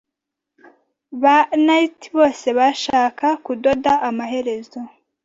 Ba knight bose bashaka kudoda amaherezo